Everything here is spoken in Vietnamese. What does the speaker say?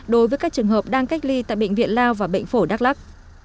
đối với các trường hợp đang cách ly tại bệnh viện lao và bệnh phổi đắk lắc